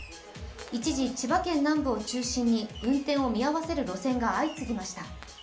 一時、千葉県南部を中心に運転を見合わせる路線が相次ぎました。